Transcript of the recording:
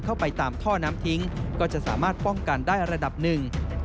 เข้าไปตามท่อน้ำทิ้งก็จะสามารถป้องกันได้ระดับหนึ่ง